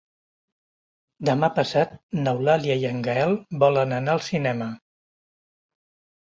Demà passat n'Eulàlia i en Gaël volen anar al cinema.